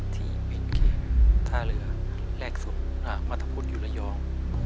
ที่เป็นเขตท่าเรือแรกสุดมัธพลอยู่ระยอง